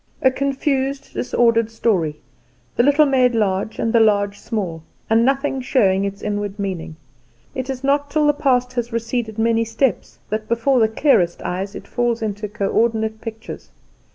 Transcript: A confused, disordered story the little made large and the large small, and nothing showing its inward meaning. It is not till the past has receded many steps that before the clearest eyes it falls into co ordinate pictures.